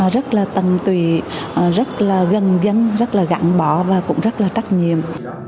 rất là tầm tùy rất là gần dân rất là gãn bỏ và cũng rất là trách nhiệm